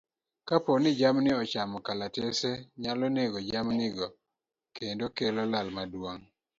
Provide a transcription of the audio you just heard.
Kapo ni jamni ochamo kalatese nyalo nego jamnigo kendo kelo lal maduong'.